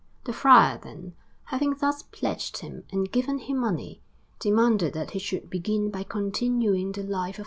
The friar, then, having thus pledged him and given him money, demanded that he should begin by continuing the life of S.